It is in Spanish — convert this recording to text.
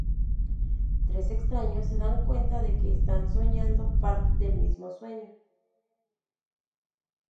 Tres extraños se dan cuenta de que están soñando partes del mismo sueño.